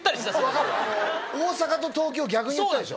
分かる大阪と東京逆に言ったでしょ？